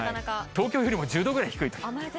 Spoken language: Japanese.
東京よりも１０度ぐらい低いと。